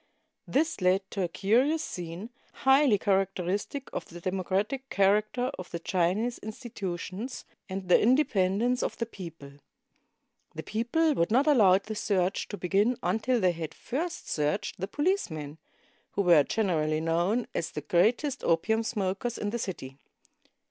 This led to a curious scene, highly characteristic of the democratic character of the Chinese institutions and the independence of the people. The people would not allow the search to begin until they had first searched the policemen, who were generally known as the greatest opium smokers in the city.